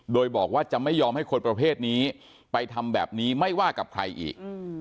โดยบอกว่าจะไม่ยอมให้คนประเภทนี้ไปทำแบบนี้ไม่ว่ากับใครอีก